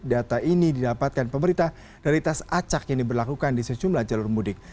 data ini didapatkan pemerintah dari tes acak yang diberlakukan di sejumlah jalur mudik